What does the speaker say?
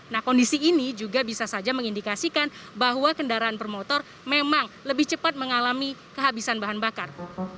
nah kondisi ini juga bisa saja mengindikasikan bahwa kendaraan bermotor memang lebih cepat mengalami kehabisan bahan bakar